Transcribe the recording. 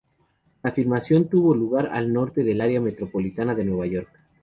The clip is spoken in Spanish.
La filmación tuvo lugar al norte del área metropolitana de Nueva York.